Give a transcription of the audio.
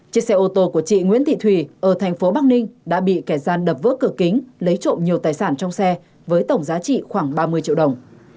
chiếc xe ô tô của chị nguyễn thị thùy ở thành phố bắc ninh đã bị kẻ gian đập vỡ cửa kính lấy trộm nhiều tài sản trong xe với tổng giá trị khoảng ba mươi triệu đồng